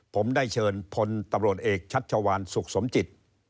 ผมได้เชิญพนธ์ตำรวจเอกชัตรยาวาลสุกสมจิต